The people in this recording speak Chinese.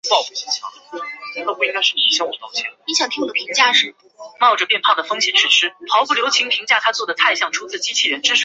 刚毛萼刺蕊草为唇形科刺蕊草属下的一个种。